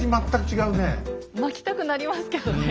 まきたくなりますけどね。